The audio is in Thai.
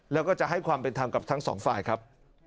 แล้วก็จะให้ความเป็นธรรมกับทั้งสองฝ่ายครับ